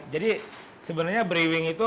jadi sebenarnya brewing itu